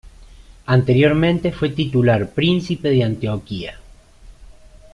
Anteriormente fue Titular Príncipe de Antioquía.